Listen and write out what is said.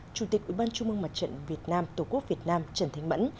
chủ tịch ubnd tổ quốc việt nam trần thánh mẫn